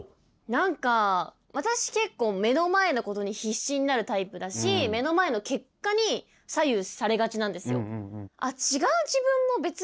何か私結構目の前のことに必死になるタイプだし目の前の結果に左右されがちなんですよ。